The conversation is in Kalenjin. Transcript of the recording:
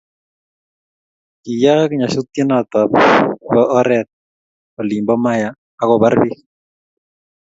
kiyaaka nyasutietab oret olin bo Maya akubar biik lo